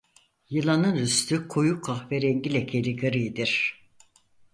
Yılanın üstü koyu kahverengi lekeli gridir.